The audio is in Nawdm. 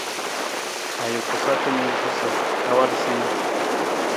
Ajuku sarta jungku sa awal siiwung.